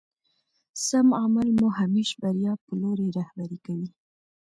سم عمل مو همېش بريا په لوري رهبري کوي.